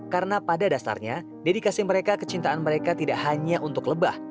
karena pada dasarnya dedikasi mereka kecintaan mereka tidak hanya untuk lebah